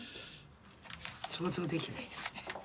想像できないですね。